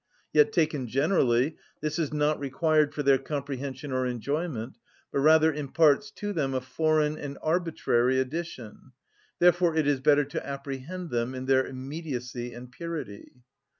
Yet, taken generally, this is not required for their comprehension or enjoyment, but rather imparts to them a foreign and arbitrary addition: therefore it is better to apprehend them in their immediacy and purity.